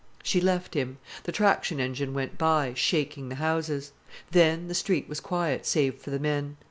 She left him. The traction engine went by, shaking the houses. Then the street was quiet, save for the men.